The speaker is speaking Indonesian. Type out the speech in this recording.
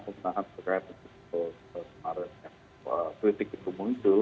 pembentangan berkaitan dengan kritik itu muncul